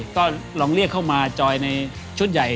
ก็ลองเรียกเข้ามาจอยในชุดใหญ่